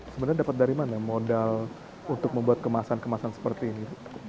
sebenarnya dapat dari mana modal untuk membuat kemasan kemasan seperti ini